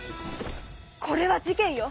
これは事件よ！